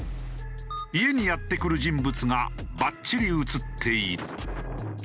家にやって来る人物がバッチリ映っている。